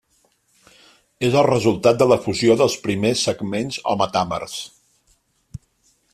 És el resultat de la fusió dels primers segments o metàmers.